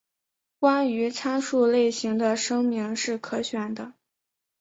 关于参数类型的声明是可选的。